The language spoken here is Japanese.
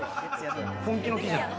本気の木じゃない？